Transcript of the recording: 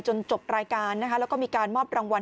จบรายการนะคะแล้วก็มีการมอบรางวัล